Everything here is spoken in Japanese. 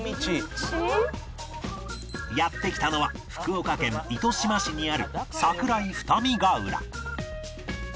やって来たのは福岡県糸島市にある桜井二見ヶ浦